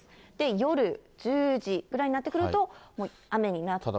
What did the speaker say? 夜１０時ぐらいになってくると、もう雨になって。